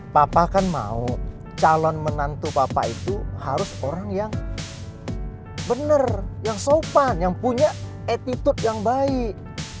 bapak kan mau calon menantu bapak itu harus orang yang benar yang sopan yang punya attitude yang baik